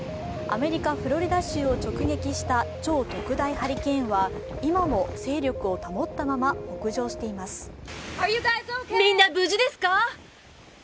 アメリカ・フロリダ州を直撃した超特大ハリケーンは今も勢力を保ったまま北上しています。